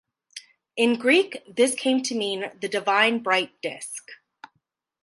In Greek this came to mean the divine bright disk.